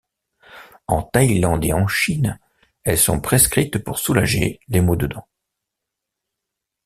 En Thaïlande et en Chine, elles sont prescrites pour soulager les maux de dents.